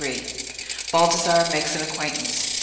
Baldassarre makes an Acquaintance.